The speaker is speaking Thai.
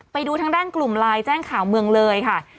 ไปดูทางด้านกลุ่มไลน์แจ้งข่าวเมืองเลยค่ะ